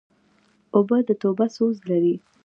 اوبه د توبه سوز لري.